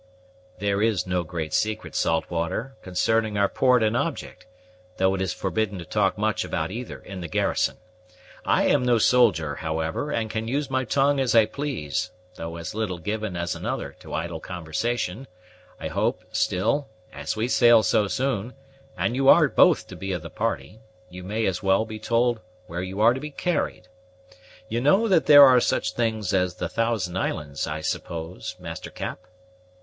"There is no great secret, Saltwater, concerning our port and object, though it is forbidden to talk much about either in the garrison. I am no soldier, however, and can use my tongue as I please, though as little given as another to idle conversation, I hope; still, as we sail so soon, and you are both to be of the party, you may as well be told where you are to be carried. You know that there are such things as the Thousand Islands, I suppose, Master Cap?"